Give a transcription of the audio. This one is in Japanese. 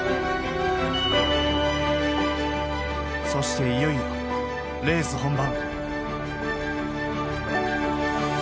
そしていよいよレース本番。